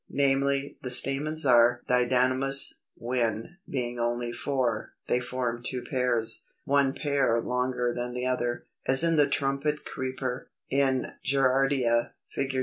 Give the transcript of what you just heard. Namely, the stamens are Didynamous, when, being only four, they form two pairs, one pair longer than the other, as in the Trumpet Creeper, in Gerardia (Fig.